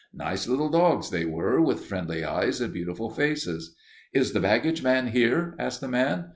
Nice little dogs, they were, with friendly eyes and beautiful faces. "Is the baggage man here?" asked the man.